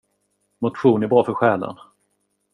Motion är bra för själen.